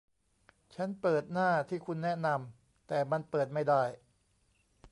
ฉันเปิดหน้าที่คุณแนะนำ แต่มันเปิดไม่ได้